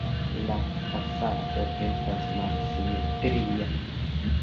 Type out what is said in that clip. La fasado estas malsimetria.